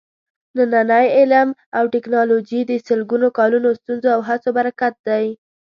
نننی علم او ټېکنالوجي د سلګونو کالونو ستونزو او هڅو برکت دی.